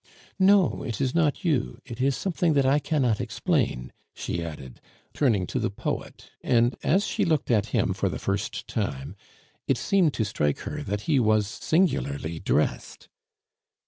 "No, it is not you; it is something that I cannot explain," she added, turning to the poet, and, as she looked at him for the first time, it seemed to strike her that he was singularly dressed.